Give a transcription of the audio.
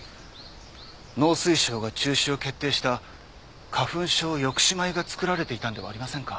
農水省が中止を決定した花粉症抑止米が作られていたんではありませんか？